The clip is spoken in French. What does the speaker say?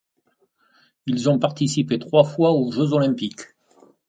Ils ont participé trois fois aux Jeux olympiques.